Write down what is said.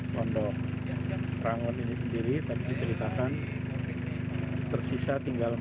pondok ranggun ini sendiri tapi ceritakan tersisa tinggal empat ribu m